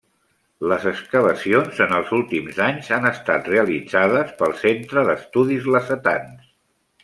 Les excavacions en els últims anys han estat realitzades pel Centre d'Estudis Lacetans.